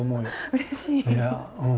うれしい。